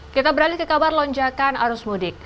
kita beralih ke kabar lonjakan arus mudik